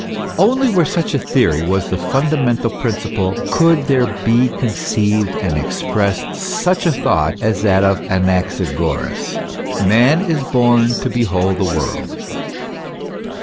Only where such a theory was the fundamental principle could there be conceived and expressed such a thought as that of Anaxagoras : man is born to behold the world.